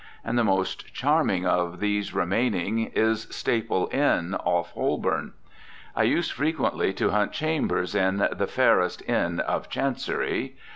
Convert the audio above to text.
And the most charming of these remaining is Staple Inn, off Holborn. I used frequently to hunt chambers in "the fayrest Inne of Chancerie."